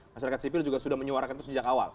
masyarakat sipil juga sudah menyuarakan itu sejak awal